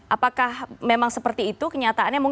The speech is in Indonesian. apakah memang seperti itu kenyataannya